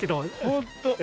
本当。